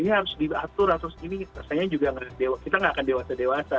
harus diatur kita tidak akan dewasa dewasa